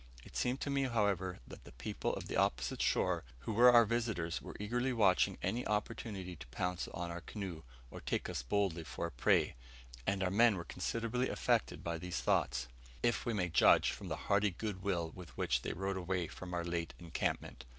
It seemed to me, however, that the people of the opposite shore, who were our visitors, were eagerly watching an opportunity to pounce upon our canoe, or take us bodily for a prey; and our men were considerably affected by these thoughts, if we may judge from the hearty good will with which they rowed away from our late encampment.